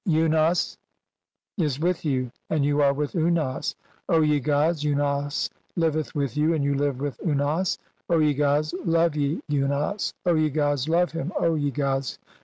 "Unas is with you, and you are with Unas, O ye "gods. Unas liveth with you, and you live with Unas, "0 ye gods. Love ye Unas, O ye gods, love him, O "ye gods.